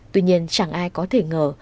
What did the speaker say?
tuy nhiên chẳng ai có thể ngờ